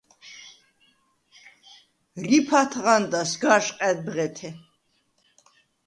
რიფ ათღანდა, სგა̄შყა̈დ ბღეთე.